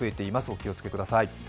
お気をつけください。